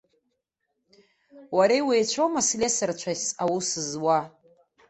Уара иуеицәоума слесарцәас аус зуа.